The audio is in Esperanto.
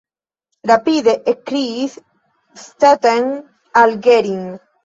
rapide ekkriis Stetten al Gering.